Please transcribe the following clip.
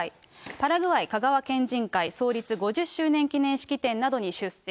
パラグアイ香川県人会創立５０周年記念式典などに出席。